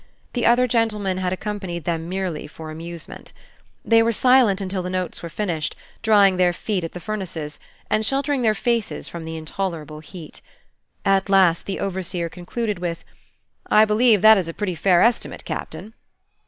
The other gentlemen had accompanied them merely for amusement. They were silent until the notes were finished, drying their feet at the furnaces, and sheltering their faces from the intolerable heat. At last the overseer concluded with "I believe that is a pretty fair estimate, Captain."